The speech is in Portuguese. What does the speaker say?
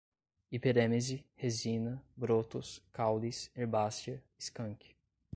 hiperêmese, resina, brotos, caules, herbácea, skunk